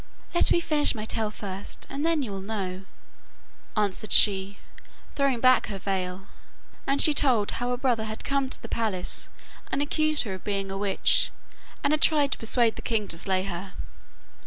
'Let me finish my tale first, and then you will know,' answered she, throwing back her veil, and she told how her brother had come to the palace and accused her of being a witch, and had tried to persuade the king to slay her.